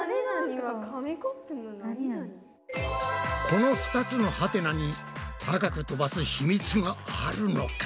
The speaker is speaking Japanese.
この２つのハテナに高く飛ばす秘密があるのか？